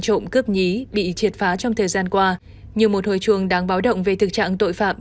trộm cướp nhí bị triệt phá trong thời gian qua như một hồi chuông đáng báo động về thực trạng tội phạm